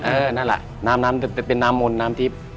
เออนั่นละน้ำแต่เป็นน้ำมนต์น้ำทิศ